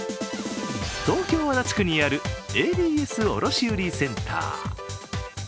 東京・足立区にあるＡＢＳ卸売りセンター。